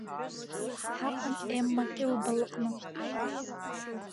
Ҳаҟан Емма Кьылба лҟны.